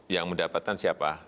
yang mendapatkan siapa